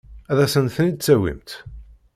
Ad asent-ten-id-tawimt?